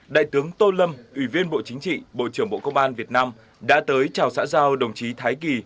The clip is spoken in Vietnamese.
đại tướng tô lâm ủy viên bộ chính trị bộ trưởng bộ công an việt nam đã tới chào xã giao đồng chí thái kỳ